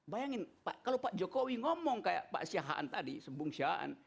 bayangin pak kalau pak jokowi ngomong kayak pak syahaan tadi sembung syaan